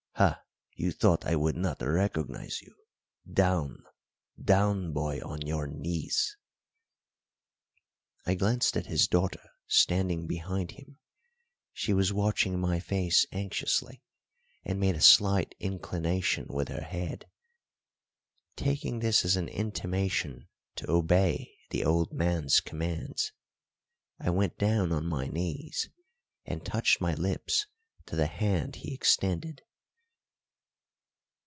Ha, you thought I would not recognise you! Down down, boy, on your knees!" I glanced at his daughter standing behind him; she was watching my face anxiously, and made a slight inclination with her head. Taking this as an intimation to obey the old man's commands, I went down on my knees, and touched my lips to the hand he extended.